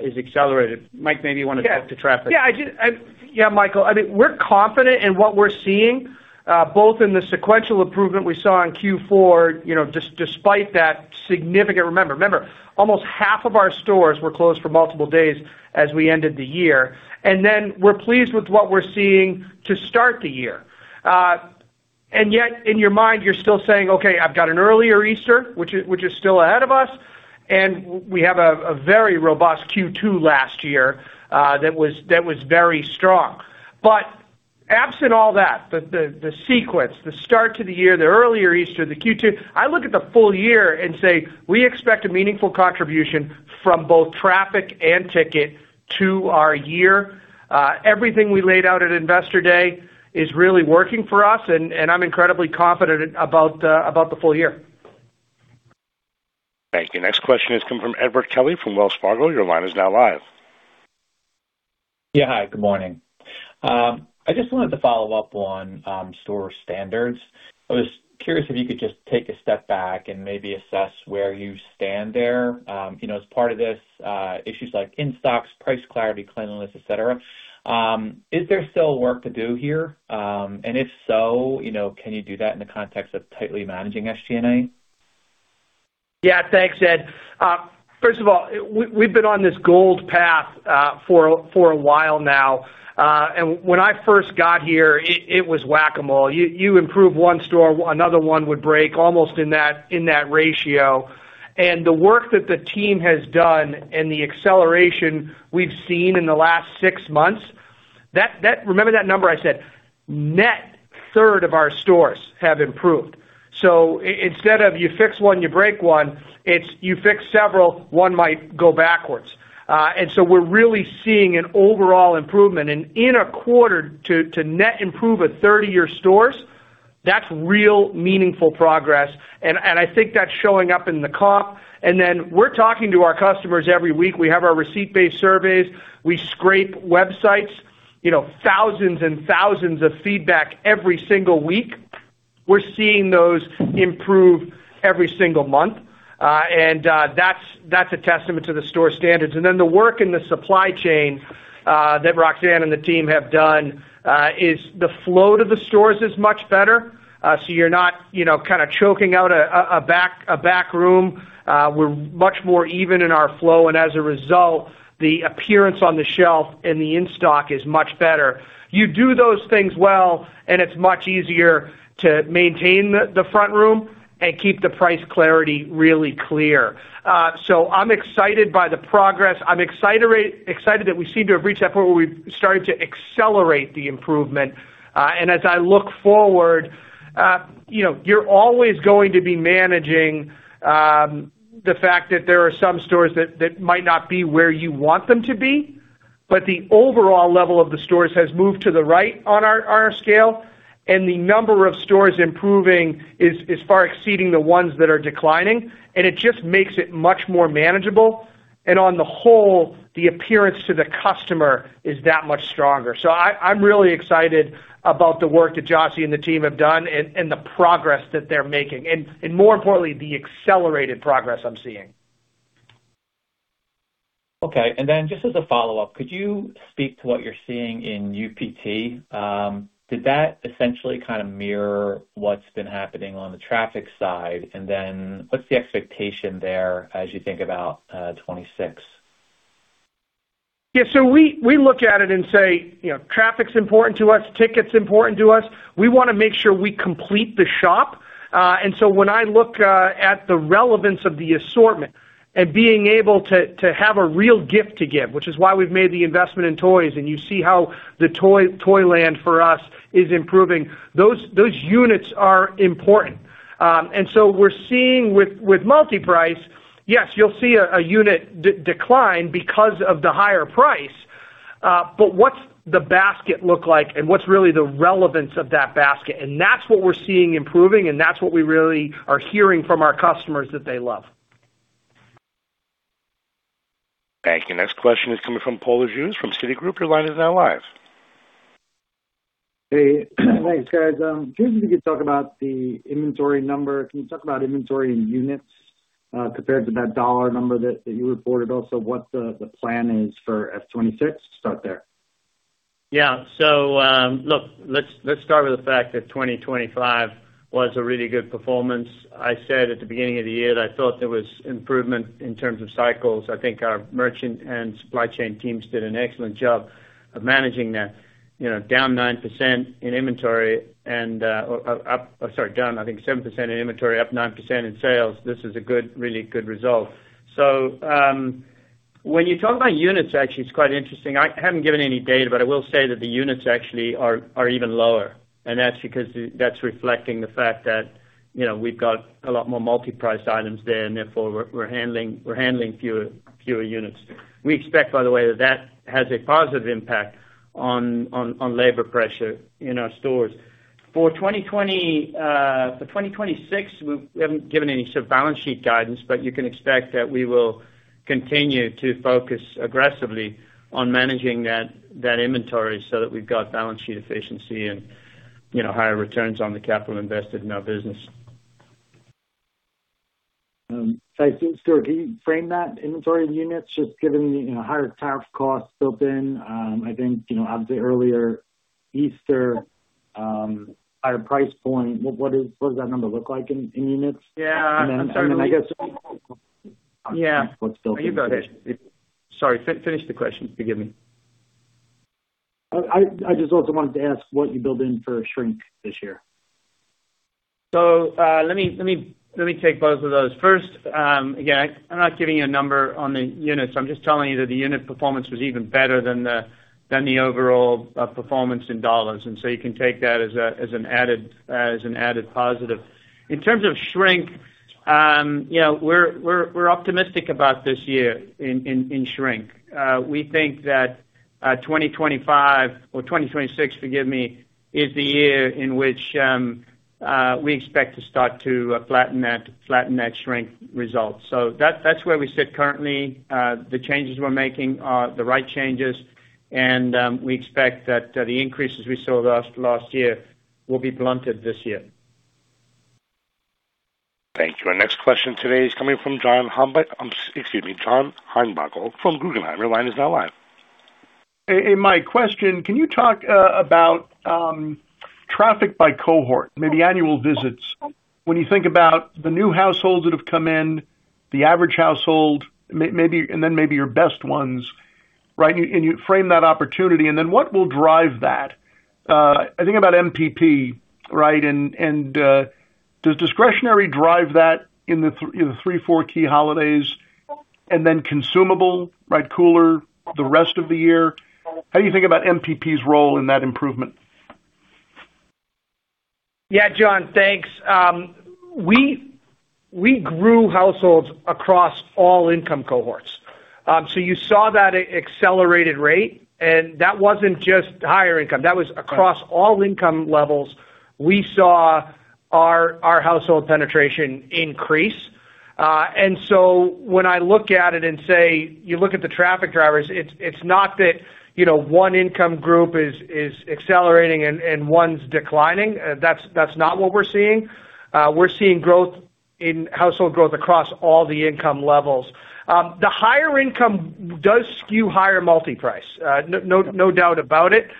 is accelerated. Mike, maybe you wanna talk to traffic.
Yeah. Yeah, I do. Yeah, Michael. I mean, we're confident in what we're seeing both in the sequential improvement we saw in Q4, you know, despite that significant. Remember, almost half of our stores were closed for multiple days as we ended the year. Then we're pleased with what we're seeing to start the year. Yet in your mind, you're still saying, "Okay, I've got an earlier Easter," which is still ahead of us, and we have a very robust Q2 last year that was very strong. Absent all that, the sequence, the start to the year, the earlier Easter, the Q2, I look at the full year and say, we expect a meaningful contribution from both traffic and ticket to our year. Everything we laid out at Investor Day is really working for us, and I'm incredibly confident about the full year.
Thank you. Next question has come from Edward Kelly from Wells Fargo. Your line is now live.
Yeah. Hi, good morning. I just wanted to follow up on store standards. I was curious if you could just take a step back and maybe assess where you stand there. You know, as part of this, issues like in-stocks, price clarity, cleanliness, et cetera, is there still work to do here? And if so, you know, can you do that in the context of tightly managing SG&A?
Yeah. Thanks, Ed. First of all, we've been on this gold path for a while now. When I first got here, it was whack-a-mole. You improve one store, another one would break almost in that ratio. The work that the team has done and the acceleration we've seen in the last six months, that. Remember that number I said, nearly a third of our stores have improved. Instead of you fix one, you break one, it's you fix several, one might go backwards. We're really seeing an overall improvement. In a quarter to nearly improve a third of your stores, that's real meaningful progress. I think that's showing up in the comp. Then we're talking to our customers every week. We have our receipt-based surveys. We scrape websites, you know, thousands and thousands of feedback every single week. We're seeing those improve every single month. That's a testament to the store standards. The work in the supply chain that Roxanne and the team have done, the flow to the stores is much better. You're not, you know, kinda choking out a back room. We're much more even in our flow. As a result, the appearance on the shelf and the in-stock is much better. You do those things well, and it's much easier to maintain the front room and keep the price clarity really clear. I'm excited by the progress. I'm excited that we seem to have reached that point where we've started to accelerate the improvement. As I look forward, you know, you're always going to be managing the fact that there are some stores that might not be where you want them to be, but the overall level of the stores has moved to the right on our scale. The number of stores improving is far exceeding the ones that are declining, and it just makes it much more manageable. On the whole, the appearance to the customer is that much stronger. I'm really excited about the work that Josie and the team have done and the progress that they're making and more importantly, the accelerated progress I'm seeing.
Okay. Just as a follow-up, could you speak to what you're seeing in UPT? Did that essentially kinda mirror what's been happening on the traffic side? What's the expectation there as you think about 2026?
Yeah. We look at it and say, you know, traffic's important to us, ticket's important to us. We wanna make sure we complete the shop. When I look at the relevance of the assortment and being able to have a real gift to give, which is why we've made the investment in toys, and you see how the Toyland for us is improving, those units are important. We're seeing with multi-price, yes, you'll see a unit decline because of the higher price, but what's the basket look like and what's really the relevance of that basket? That's what we're seeing improving, and that's what we really are hearing from our customers that they love.
Thank you. Next question is coming from Paul Lejuez from Citigroup. Your line is now live.
Hey. Thanks, guys. Curious if you could talk about the inventory number. Can you talk about inventory in units, compared to that dollar number that you reported? Also, what the plan is for F 2026? Start there.
Yeah. Look, let's start with the fact that 2025 was a really good performance. I said at the beginning of the year that I thought there was improvement in terms of cycles. I think our merchant and supply chain teams did an excellent job of managing that. You know, down 9% in inventory and down, I think, 7% in inventory, up 9% in sales. This is a good, really good result. When you talk about units, actually it's quite interesting. I haven't given any data, but I will say that the units actually are even lower, and that's because that's reflecting the fact that, you know, we've got a lot more multi-priced items there and therefore we're handling fewer units. We expect, by the way, that has a positive impact on labor pressure in our stores. For 2026, we haven't given any sort of balance sheet guidance, but you can expect that we will continue to focus aggressively on managing that inventory so that we've got balance sheet efficiency and, you know, higher returns on the capital invested in our business.
Thank you. Stewart, can you frame that inventory of units, just given the, you know, higher tariff costs built in? I think, you know, obviously earlier Easter, higher price point, what does that number look like in units?
Yeah.
I mean, I guess.
Yeah.
What's built in.
You go ahead. Sorry, finish the question. Forgive me.
I just also wanted to ask what you built in for shrink this year.
Let me take both of those. First, again, I'm not giving you a number on the units. I'm just telling you that the unit performance was even better than the overall performance in dollars, and you can take that as an added positive. In terms of shrink, you know, we're optimistic about this year in shrink. We think that 2025 or 2026, forgive me, is the year in which we expect to start to flatten that shrink result. That's where we sit currently. The changes we're making are the right changes and we expect that the increases we saw last year will be blunted this year.
Thank you. Our next question today is coming from John Heinbockel. Excuse me, John Heinbockel from Guggenheim. Your line is now live.
Hey. Hey, Mike. Question, can you talk about traffic by cohort, maybe annual visits, when you think about the new households that have come in, the average household, maybe, and then maybe your best ones, right? You frame that opportunity and then what will drive that? I think about MPP, right? Does discretionary drive that in the three, four key holidays and then consumable, right, cooler the rest of the year? How do you think about MPP's role in that improvement?
Yeah, John, thanks. We grew households across all income cohorts. You saw that at accelerated rate, and that wasn't just higher income. That was across all income levels. We saw our household penetration increase. When I look at it and say, you look at the traffic drivers, it's not that, you know, one income group is accelerating and one's declining. That's not what we're seeing. We're seeing growth in household growth across all the income levels. The higher income does skew higher multi-price. No doubt about it.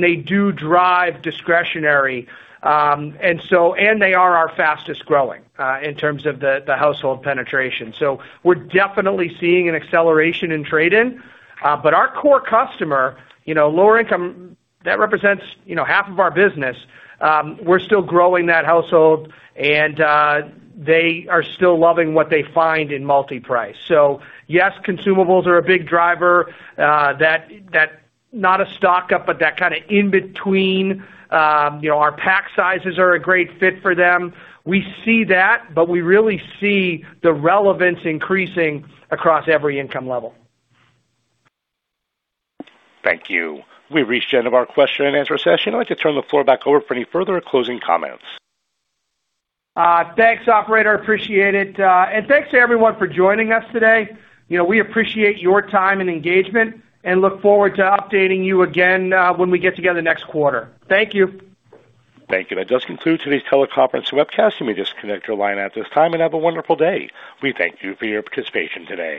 They do drive discretionary. They are our fastest growing in terms of the household penetration. We're definitely seeing an acceleration in trade-down. Our core customer, you know, lower income, that represents, you know, half of our business, we're still growing that household and, they are still loving what they find in multi-price. Yes, consumables are a big driver, that not a stock up, but that kinda in between. You know, our pack sizes are a great fit for them. We see that, but we really see the relevance increasing across every income level.
Thank you. We've reached the end of our question and answer session. I'd like to turn the floor back over for any further closing comments.
Thanks, operator, appreciate it. Thanks to everyone for joining us today. You know, we appreciate your time and engagement and look forward to updating you again, when we get together next quarter. Thank you.
Thank you. That does conclude today's teleconference webcast. You may disconnect your line at this time, and have a wonderful day. We thank you for your participation today.